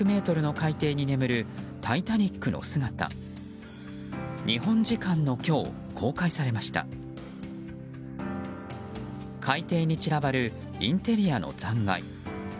海底に散らばるインテリアの残骸。